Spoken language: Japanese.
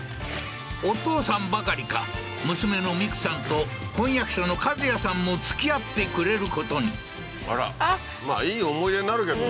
お父さんばかりか娘の未来さんと婚約者の和也さんもつきあってくれることにあらまあいい思い出になるけどね